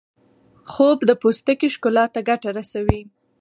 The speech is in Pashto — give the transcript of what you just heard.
خوب د پوستکي ښکلا ته ګټه رسوي